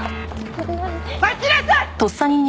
待ちなさい！